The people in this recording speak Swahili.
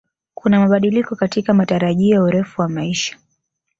Kuna mabadiliko katika matarajio ya urefu wa maisha